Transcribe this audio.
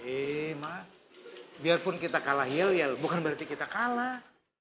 eh maaf biarpun kita kalah yel yel bukan berarti kita kalah